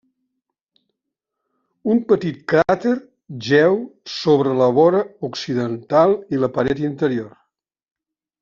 Un petit cràter jeu sobre la vora occidental i la paret interior.